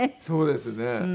そうですね。